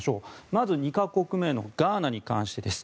まず２か国目のガーナに関してです。